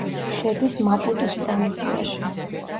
შედის მაპუტუს პროვინციაში.